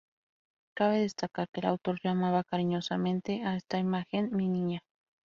Cabe destacar que el autor llamaba cariñosamente a esta imagen "Mi Niña".